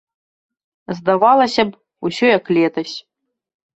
Здавалася б, усё як летась.